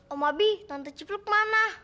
om abi tante cipluk mana